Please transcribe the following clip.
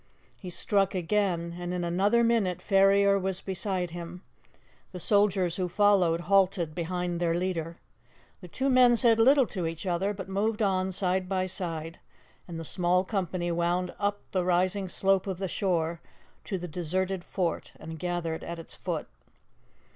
He struck again, and in another minute Ferrier was beside him; the soldiers who followed halted behind their leader. The two men said little to each other, but moved on side by side, and the small company wound up the rising slope of the shore to the deserted fort and gathered at its foot.